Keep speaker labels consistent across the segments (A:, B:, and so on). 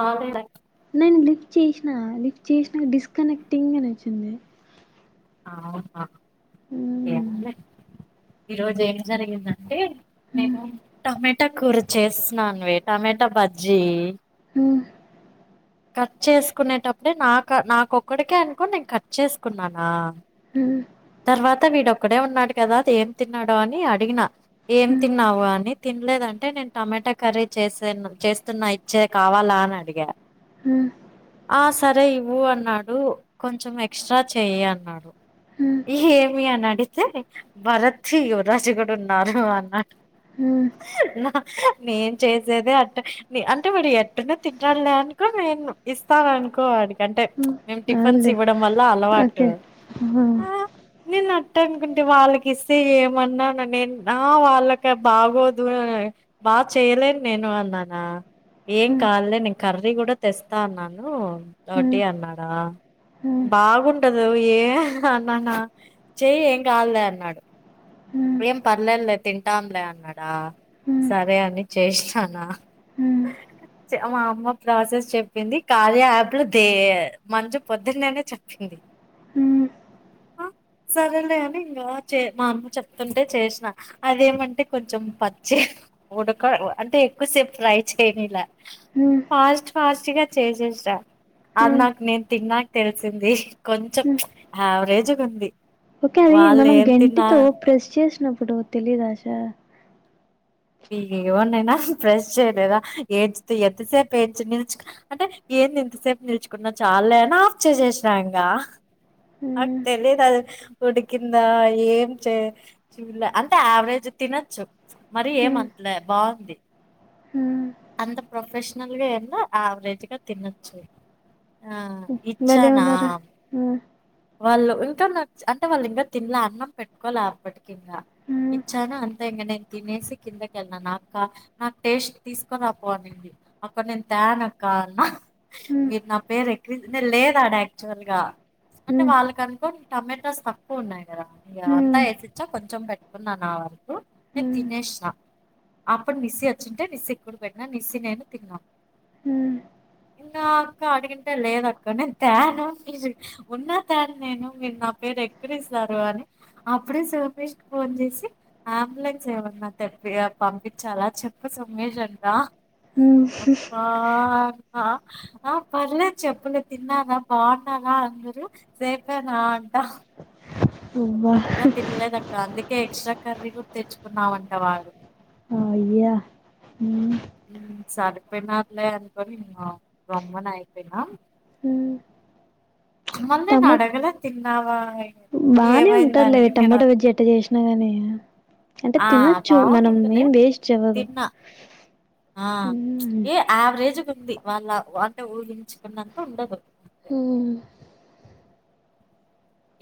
A: అవునులేండి.
B: నేను లిఫ్ట్ చేసిన లిఫ్ట్ చేసినా డిస్కనెక్టింగ్ అని వచ్చింది.
A: అవునా.
B: హ్మ్
A: ఏంలే. ఈరోజు ఏం జరిగిందండి. అంటే
B: హ్మ్
A: నేను టమట్ టామట కూర చేస్తున్నానువే టమాటా బజ్జీ
B: హు
A: కట్ చేసుకునేటప్పుడే నాక నాకొక్కడికే అనుకోని నేను కట్ చేసుకున్నానా
B: హ్మ్
A: తర్వాత వి డాట ఇక్కడే ఉన్నాడు కదా అది ఏం తిన్నాడో అని అడిగిన ఏం
B: హ్మ్
A: తిన్నావు అని తినలేదంటే నేను టమాటా కర్రీ చేసే చేస్తున్నా ఇచ్చే కావాలా అని అడిగా
B: హు
A: ఆ సరే ఇవ్వు అన్నాడు కొంచెం ఎక్స్ట్రా చెయి అన్నాడు
B: హ్మ్
A: ఏహే అడిగితే భరత్ యువరాజు కూడా ఉన్నారు అన్నాడు
B: హు
A: నేం చేసేదే అట్ట అంటే వాడు ఎట్టున్న తింటల్లే అని ఇ నేను ఇస్తాను అనుకో వాడి కంటే అంటే
B: హ్మ్
A: మేము టిఫిన్స్
B: అవునులే
A: ఇవ్వడం వల్ల అలవాటు
B: ఓకే హ్మ్
A: ఆ నిన్న అనుకుంటే వాళ్ళకి ఇస్తే ఏమన్నాను నే వాళ్ళకి బాగోదు బాగా చేయలేని నేను అన్నానా ఏం
B: హ్మ్
A: కాదులే నేను మళ్ళీ కూడా తెస్తా అన్నాను
B: హ్మ్
A: ఒకటి అన్నాడా
B: హ్మ్
A: బాగుండదు ఏ అన్నానా చెయి ఏం కాదులే అన్నాడు
B: హ్మ్ హ్మ్
A: ఏం పర్లేదులే తింటాంలే అన్నాడా
B: హ్మ్
A: సరే అని చేసినానా
B: హ్మ్
A: మా అమ్మ ప్రాసెస్ చెప్పింది కార్య యాప్లు దే మంజు పొద్దున్న అనే చెప్పింది
B: హ్మ్
A: సరేలే అని ఇంకా మా అమ్మ చెప్ప తుంటే చేసిన అదేమంటే కొంచెం పచ్చి ఉడక అంటే ఎక్కువసేపు ఫ్రై చేయని ఇలా
B: హ్మ్
A: పాస్ట్ ఫాస్ట్ గా చేసేసా అది
B: హ్మ్
A: నాకు నేను తిన్నాక తెలిసింది కొంచెం యావరేజ్ ఉంది
B: ఓకే అది
A: వాళ్ళు
B: మనం
A: ఏం
B: గంటితో
A: తిన్నారు
B: ప్రెస్ చేసి అప్పుడు తెలీదు ఆశ
A: ఏమన్నయినా ఫ్రెష్ చేయలేదా ఏడ్ ఎంతసేపు ఏడ్ నిల్చు అంటే ఏంది ఎంతసేపు నిల్చుకున్నా చాలా అని ఆఫ్ చేసేసినా ఇంగ నాకు
B: హ్మ్
A: తెలిదు అది ఉడికిందా ఏం చే చుల్లా అంటే యావరేజ్ తినొచ్చు మ మరి
B: హ్మ్
A: ఏమంతలే బాగుంది
B: హ్మ్
A: అంత ప్రొఫెషనల్గా ఏందో యావరేజ్గా తినొచ్చు ఆ
B: భలే
A: ఇచ్చానా
B: ఉన్నారురా హ్మ్
A: వాళ్ళు ఇంకా నాకు అంటే వాళ్ళు ఇంకా తినలే అన్నం పెట్టుకోల అప్పటికి ఇంకా
B: హ్మ్
A: ఇచ్చాను అంతే ఇంకా నేను తినేసి కిందకెళ్ళనా నా నాకు టేస్ట్ తీ అక్క పో అనిడి అక్కడ నేను తేన అక్క అన్న
B: హ్మ్
A: మీరు నా పేరు ఎ నేను లేద ఆడా యాక్చువల్ గా అంటే
B: హ్మ్
A: వాళ్ళక అనుకోని టమాటాస్ తక్కువ ఉన్నాయి కదా ఇ అంతా
B: హ్మ్
A: వేసిచ్చా కొంచెం పెట్టుకున్నా నా వరకు నేను
B: హ్మ్
A: తినేసా అప్పుడు మస్సీ వచ్చింటే మీస్సీ డు పెట్నా నిసి నేను తిన్నాను నా అక్క అడిగింటే లేద అక్క నేను తేను మీరు ఉన్నా తేను నేను మీరు నా పేరు ఎక్కరి స్తారు అని అప్పుడే సోమేష్ కి ఫోన్ చేసి అంబులెన్స్ ఏమన్నా తెప్పి పంపించాల చెప్ప సోమేష్ అంట దా
B: హ్మ్ హ్మ్
A: ఆ ఆ ఆ పర్లేదు చెప్పులే తిన్నారా బాగున్నానా అందరుూ సేఫేనా అంట
B: అబ్బా
A: ఇంకా తిన్లేద అక్క అందుకే ఎక్స్ట్రా కర్రీ కూడా తెచ్చుకున్నామంట వాడు
B: ఆ ఆయ్యా ఊ
A: హు సరిపోయినరూలే అనుకని గమ్మని అయిపోయినా
B: టమోట బానే
A: ఏమైందని
B: ఉంటారులే
A: నేను
B: టమోటా బ జ్జి ఎట్ట చేసినా కాని అంటే
A: ఆ
B: తినొచ్చు మనం
A: బాగునిందిలే
B: ఏం వేస్ట్ అవదు
A: తిన్నా ఆ ఏ యావరేజ్ జుకుంది వాళ్ళ వల్ల ఊహించుకున్నంత ఉండదు అంతే
B: ఉమ్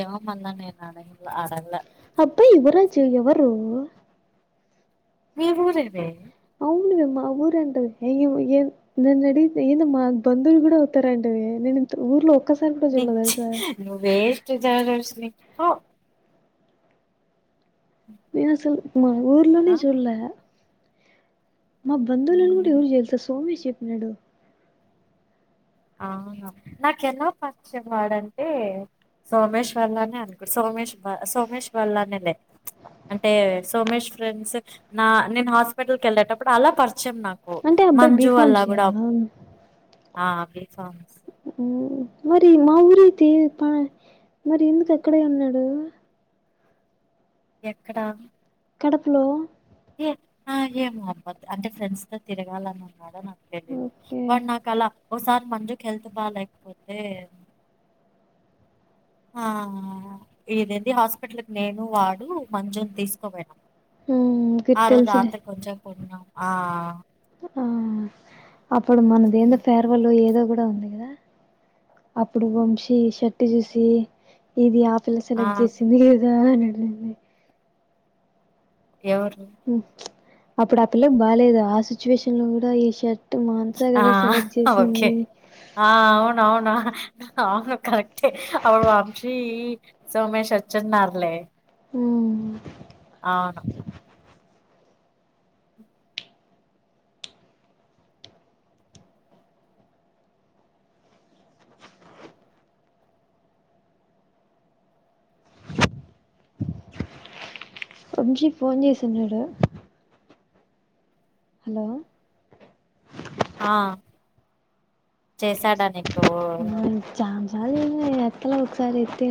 A: ఏమమందనే అడగ అడగాలే
B: అబ్బా యువరాజు ఎవరు
A: మీ ఊరు ఏ వే
B: అవునునువమ్ మా ఊరు అంటది ఏ ఏ న నాను అడిగితే మా బందువుల్ కూడా అవుతార అంటది నేను ఇ ఊర్లో ఒక్కసారి కూడా చూడలే
A: నువ్వు చి
B: తెలుసా
A: నువ్వు వేస్ట్ జయదర్శిని హ
B: నేనుఅసలు మా ఊర్లోనే
A: ఆ
B: చూల్లే మా బంధవులను కూడా
A: ఉమ్,
B: ఎవరు చేల్లుస్త ఫోన్ చేసి చెప్పినాడు
A: ఆవన నాకెలా పరిచయం వాడంటే సోమేష్ వల్లనే అనుకో సోమేష్ సోమేష్ వల్లనే లే అంటే సోమేష్ ఫ్రెండ్స్ నా నేను హాస్పిటల్కి వెళ్ళేటప్పుడు అలా పరిచ చ్చం నాకు
B: అంటే అబ్బాయి
A: మంజు వల్ల
B: బీఫామ్స్
A: కూడా
B: చేయాలా
A: అ బి ఫార్మసీ
B: ఉ మరి మా ఊరితే ప మరి ఎందుకు అక్కడే ఉన్నాడు
A: ఎక్కడా
B: కడపలో
A: ఏ ఆ ఏం అబ్బ అంటే ఫ్రెండ్స్ తో తిరగాలని ఉన్నాడో నాక్ తెలీదు
B: ఓకే
A: వాడు నాకు అలా ఓసారి మంజకి హెల్త్ బాగా లేకపోతే ఆ ఇదేది హాస్పిటల్కి నేను వాడు మంజుని తీసుకో పోయినమ్
B: మ్మ్ గుర్తు
A: ఆరోజు
B: తెలుసులే
A: రాత్రి కొంచము మోనా ఆఆ
B: ఆ ఇప్పుడు మన దేన్దో ఫేర్వెల్ ఏదో కూడా ఉంది కదా అప్పుడు వంశీ షర్ట్టు చూసి ఇది ఆ పిల్ల సెలెక్ట్ చేసింది ఇదా అనుగుడ్ ఉమ్ హు
A: ఎవరు
B: మ్మ్ అప్పుడు ఆ పిల్లకి బాగాలేదు ఆ సిచ్యువేషన్ లో కూడా ఈషర్ట్
A: ఆ ఓకే ఆ అవునవునా ఆ కరెక్ట్ ఆ వంశీ సోమేష్ వచ్చున్నారులే
B: ఉమ్
A: అవును
B: వంశీ ఫోన్ చేసినాడా హలో
A: ఆహ్ చేశాడా నీకు
B: చాల ఎత్తలా ఒకసారి ఎతే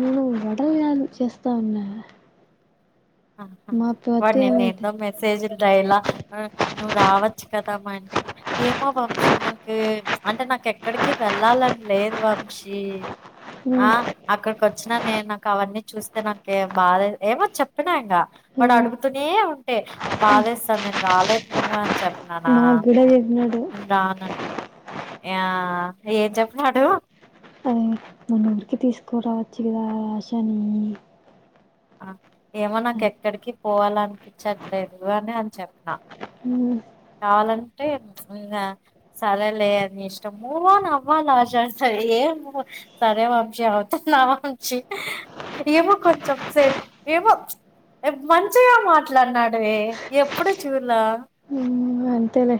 B: నేను వడలు చేస్తా ఉన్నా మా అత్త
A: వాడు నిన్న
B: ఏమైతే
A: ఎందో మెసేజ్ డైలా నువ్వు రావచ్చు కదా మా ఇంటికి ఏమో వంశీ నాకు అంటే నాకు ఎక్కడికి వెళ్ళాలని లేదు వంశీ ఆ అక్కడ వచ్చిన నేను నాకు అవన్నీ చూస్తే నాకు బాధ ఏమో చెప్ప చెప్పిన ఇంగ వాడు అడుగుతూనే ఉంటే బాధేస్తాది నేను రాలేను అని చెప్ప
B: నక్ కూడా చెపునడ్
A: రన్ యా ఏం చెపినాడు
B: అది మన ఊరికి తీసుకురావచ్చు కదా ఆశ నీ
A: ఏమో నాకు ఎక్కడికి పోవాల అనిపించట్లేదు అని అని చెప్పిన
B: హమ్
A: కావాలంటే ఇంగ సరేలే అని ఇష్టంము వోని అమ్మలశసాయి ఏమో సరే వంశీ అవుతున్నా వంశి ఏమో కొంచెం సే ఏమో మంచిగా మాట్లాడినాడు వే ఎప్పుడు చూడ్ల
B: అంతలే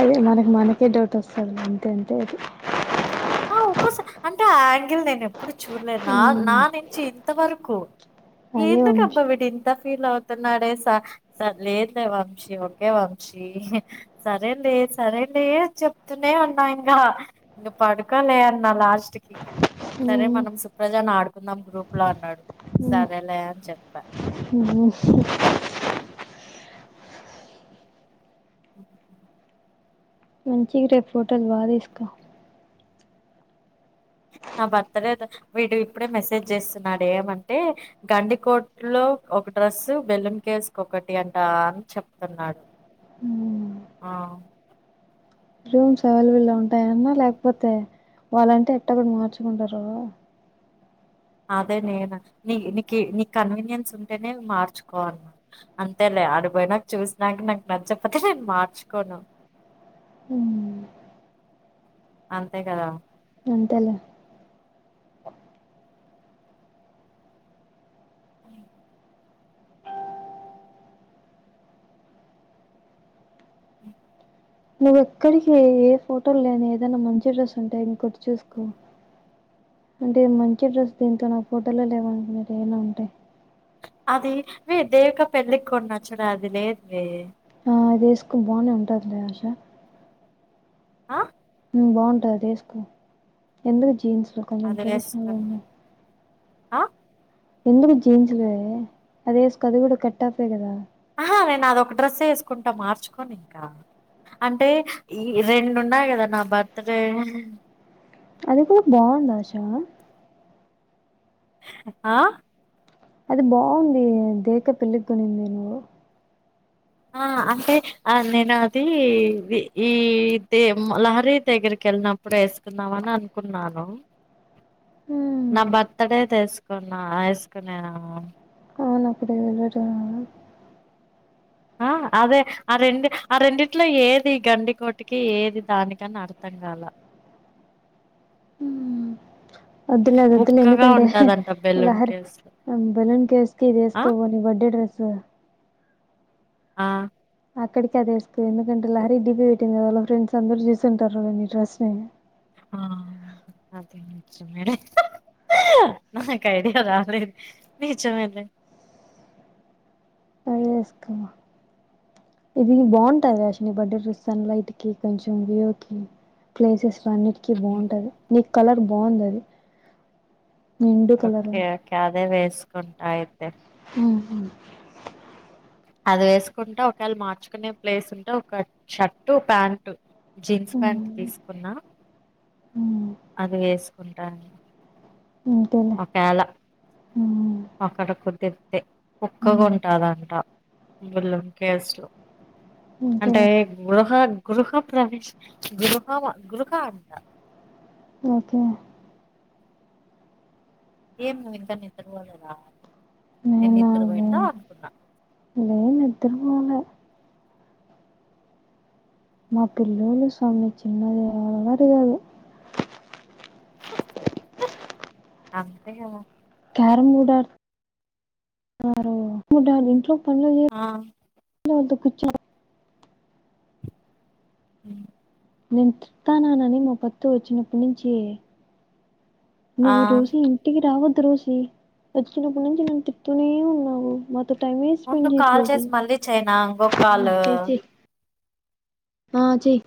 B: అదే మనకు మనకే డౌట్ వస్తుంది అంత అంటే అది
A: స అంటే ఆహ్ ఆంగల్ నేను ఏ ప్పుడు చూడలేదు నా నా నే చి ఇంత వరకు
B: అదే
A: ఎందుకు
B: వంశీ
A: అబ్బా వీడు ఇంత ఫీల్ అవుతున్నాడే స స లేదులే వంశీ ఓకే వంశీ సరే లే సరే లే అని చెప్తూనే ఉన్నా ఇంకా ఇంక పడు ఇక్క లే అన్నా లాస్ట్ కి సరే మనం సుప్రజను ఆడుకుందాం గ్రూప్ లో అన్నాడు సరే లే అని చెప్పా
B: గు [unintelligible]
A: [unintelligible]
B: మంచిగా రేపూ ఫోటల్ బా తీస్కో
A: నా బర్త్డే వీడు ఇప్పుడే మెసేజ్ చేస్తున్నాడు ఏమంటే గండికోట్లో ఒక డ్రెస్సు బెలూన్ కేసుకి ఒకటి అంట అని చెప్తున్నాడు
B: రూమ్స్ అవైలబుల్ ఉంటాయన్న లేకపోతే వాళ్ళంటే ఎట్టో గా మార్చుకుంటారు
A: అదే నేను నీ నీకి నీ కన్వీనియన్స్ ఉంటేనే మార్చుకో అంతేలే అడిపోయినాక చూసినాక నాకు నచ్చపోతే నేను మార్చుకోను
B: హ్మ్.
A: అంతే కదా
B: అంతలే
A: అ
B: నువు ఎక్కడికి ఏ ఫోటోలు లేని ఏదైనా మంచి డ్రెస్ ఉంటాయి ఇంకొటి చూసుకో అంటే మంచి డ్రెస్ దీంతో నాకు ఫోటోలో లేవ అనుకున్నారు ఏమనా ఉంటాయి
A: అది వే దేవిక పెళ్ళికి కొన్నచూడు అది లేదు వే
B: ఆ అది ఎస్కో బానే ఉంటదిలే ఆశ
A: ఆ
B: హమ్ బంటది ఆది ఎస్కే ఎందుకు జీన్స్ కొంచెం
A: అది
B: ట్రెడిషనల్
A: వేసుకున్నా
B: ఉన్నా
A: ఆ
B: ఎందుకు జీన్సులే అది వేసుకు అది కూడా కట్ టాప్ ఎహ్ కదా
A: ఆహా నేను అదొక డ్రెస్ వేసుకుంటా మార్చుకొని ఇంకా అంటే ఈ రెండున్నా కదా నా బర్త్డే,
B: అది కూడా బాగుందా ఆషా
A: ఆ
B: అది బాగుంది దేవక్క పెళ్ళిక్కొనింది నువ్వు
A: ఆ అంటే ఆ నేను అది ఈ ఇదే లహరి దగ్గరికి వెళ్ళినప్పుడు వేసుకున్నామని అనుకున్నాను. నా
B: హ్మ్.
A: బర్తడే తెసు కున్నా ఎసుకునే నా
B: అవును అప్పుడే వెళ్ళుట
A: ఆ అదే ఆ రెండు ఆ రెండిట్లో ఏది గండికోటకి ఏది దానికని అర్థం కాల
B: మ్మ్ వద్దులే అదు వద్దులే
A: ఉక్కగా
B: ఎందుకంటే
A: ఉంటదంట బెలూన్
B: లహరి
A: కేసులో
B: బెలూన్ కేేవ్స్ కి ఇది
A: ఆ
B: వేసుకవో నీ బర్డే డ్రెస్స్.
A: ఆ
B: అక్కడికి అదేసు కో ఎందుకంటే లహరికి దీపి నిన్ని వాళ్ళ ఫ్రెండ్స్ అందరు చూసింటారు నీ డ్రెస్స్ ని
A: ఆఅదే నిజమేలే నాకైడియా రాలే నీజమేలే.
B: అదే వేసుకున్నా ఇది బాగుంటది ఆశ్వని బర్డే సన్ లైట్ కి కొంచెం వ్యూ కి ప్లేసెస్. అన్నిటికీ బాగుంటది నీకు కలర్ బాగుందది
A: ఒకే ఒకే అదే వే కుంటా అయితే అది వేసుకుంటే ఒకవేళ మార్చుకునే ప్లేస్ ఉంటే ఒక షర్టు ప్యాంటు జీన్స్ ప్యాంట్ తీసుకున్నా కుంటాను
B: అంతేలే
A: ఒకేళ అక్కడ కుదిరితే కుక్క కొంటా ఉంటదంట బలం కేస్లో అంటే
B: అంతేలే
A: గృహ గృహం ప్రవేశ గృహ గృహ అంట
B: ఒకే
A: ఏం నువ్వు ఇంకా నిద్ర పోలేద
B: నేనా లే లేే నిదురపోలె. మా పిల్లలు స్వామి చిన్నది ఎవ్వరుగాదు
A: అంతే
B: వారం గూడా గాలే ఇప్పుడు వాళ్ళు ఇంట్లో ప
A: ఆ
B: చ
A: హ
B: నేను తిడతానానని మా పత్తు వచ్చినప్పటి నుంచి
A: ఆ
B: నువ్వు రోజు ఇంటికి రావద్దు త్రూసి వచ్చినప్పుడు నుంచి నన్ను చెప్తూనే ఉన్నావు మతు
A: ఉండు కాల్ చేసి మళ్ళీ చేయనా ఇంకొ కాల్
B: ఆ, చెయ్యి చెయ్యి ఆ చెయ్